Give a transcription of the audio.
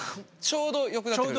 ちょうどよくなって。